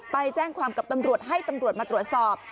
ไปแจ้งความกับตำรวจให้ตำรวจมาตรวจสอบ